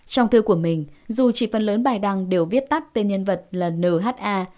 trong thư của mình dù chỉ phần lớn bài đăng đều viết tắt tên nhân vật là nha